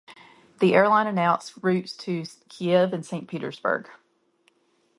The airline announced routes to Kiev and St-Petersburg.